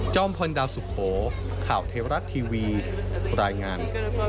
พลดาวสุโขข่าวเทวรัฐทีวีรายงาน